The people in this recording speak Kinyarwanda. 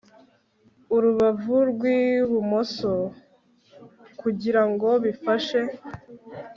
urubavu rw'ibumoso, kugirango bifashe (...